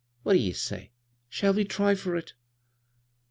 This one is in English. What d' ye say ? Shall we try for it?"